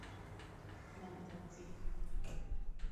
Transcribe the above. Nem teszik.